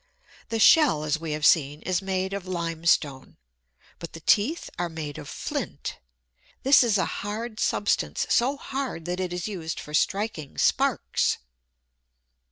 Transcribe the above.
The shell, as we have seen, is made of limestone. But the teeth are made of flint. This is a hard substance, so hard that it is used for striking sparks.